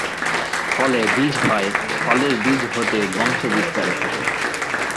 ফলে বীজ হয়, ফলের বীজ হতে বংশ বিস্তার ঘটে।